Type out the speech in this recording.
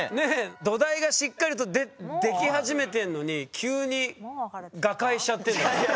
土台がしっかりとでき始めてんのに急に瓦解しちゃってんだよ。